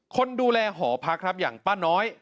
คนดูแลหอพักครับอย่างป้าน้อย